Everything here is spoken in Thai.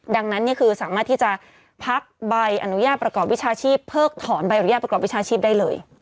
ดังนั้นคือสามารถที่จะพักใบอนุญาตประกอบวิชาชีพเพิกถอนใบอนุญาตประกอบวิชาชีพได้เลย